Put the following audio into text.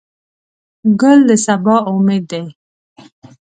ګل د سبا امید دی.